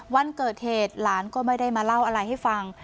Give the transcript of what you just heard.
วันเกิดเหตุหลานก็ไม่ได้มาเล่าอะไรให้ฟัง